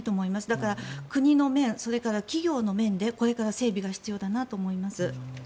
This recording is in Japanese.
だから国の面や企業の面でこれから整備が必要だなと思います。